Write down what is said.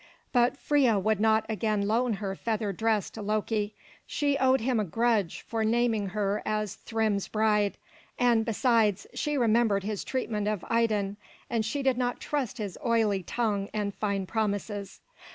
But Freia would not again loan her feather dress to Loki. She owed him a grudge for naming her as Thrym's bride; and besides, she remembered his treatment of Idun, and she did not trust his oily tongue and fine promises.